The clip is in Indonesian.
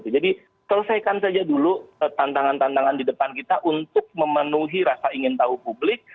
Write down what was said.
jadi selesaikan saja dulu tantangan tantangan di depan kita untuk memenuhi rasa ingin tahu publik